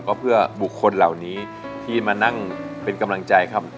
ก็เพื่อบุคคลเหล่านี้ที่มานั่งเป็นกำลังใจครับ